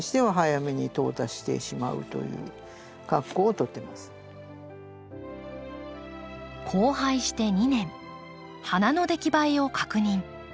これとこれは交配して２年花の出来栄えを確認。